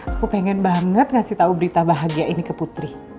aku pengen banget ngasih tahu berita bahagia ini ke putri